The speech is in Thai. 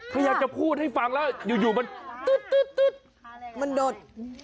พยายามจะพูดให้ฟังแล้วอยู่มันตึ๊ดมันโดด